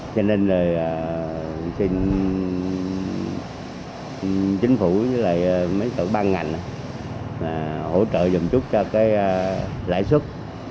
cho nên là xin chính phủ với mấy tổ ban ngành hỗ trợ dùm chút cho cái lãi xuất